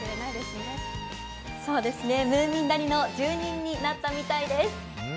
ムーミン谷の住人になったみたいです。